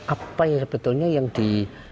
apa yang sebetulnya yang di